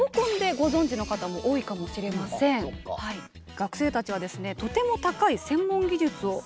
学生たちはですねとても高い専門技術を持っています。